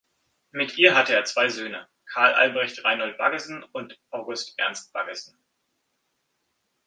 Mit ihr hatte er zwei Söhne: Carl Albrecht Reinhold Baggesen und August Ernst Baggesen.